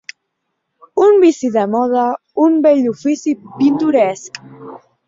Un vici de moda, un vell ofici pintoresc.